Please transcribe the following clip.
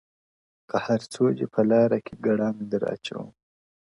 که هر څو دي په لاره کي گړنگ در اچوم ـ